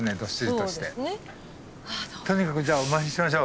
とにかくじゃあお参りしましょう。